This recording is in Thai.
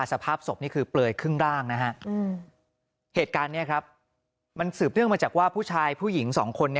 สภาพศพนี่คือเปลือยครึ่งร่างนะฮะเหตุการณ์นี้ครับมันสืบเนื่องมาจากว่าผู้ชายผู้หญิงสองคน